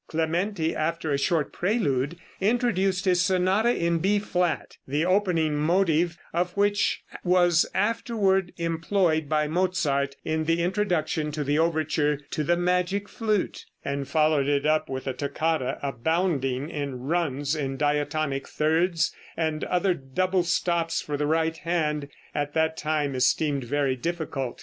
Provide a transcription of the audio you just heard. Clementi, after a short prelude, introduced his sonata in B flat, the opening motive of which was afterward employed by Mozart in the introduction to the overture to the "Magic Flute"; and followed it up with a toccata abounding in runs in diatonic thirds and other doublestops for the right hand, at that time esteemed very difficult.